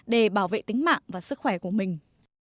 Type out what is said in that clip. để bảo vệ tính mạng và sức khỏe của mình